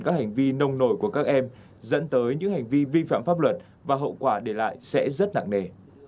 các hành vi nồng nổi của các em dẫn tới những hành vi vi phạm pháp luật và hậu quả để lại sẽ rất nặng nề